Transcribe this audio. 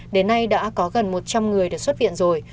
đến nay đã có gần một trăm linh người được xuất viện rồi